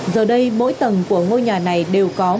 giờ đây mỗi tầng của ngôi nhà này đều có một tầng